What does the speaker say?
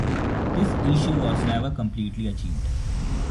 This issue was never completely achieved.